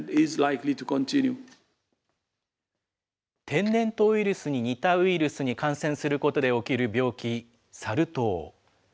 天然痘ウイルスに似たウイルスに感染することで起きる病気、サル痘。